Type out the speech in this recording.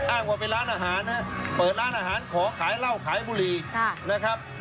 อ้างว่าเป็นร้านอาหารนะครับเปิดร้านอาหารขอขายเหล้าขายบุหรี่นะครับ